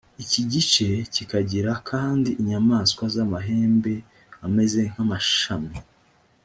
iki gice kikagira kandi inyamaswa z’amahembe ameze nk’amashami